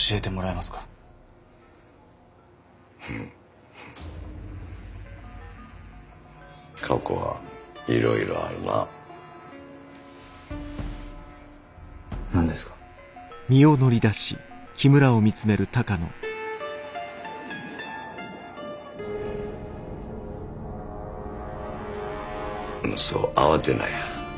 まあそう慌てなや。